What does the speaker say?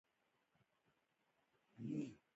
جانداد د نیت له مخې لوړ مقام لري.